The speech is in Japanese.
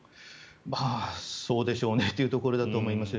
そうでしょうねというところだと思います。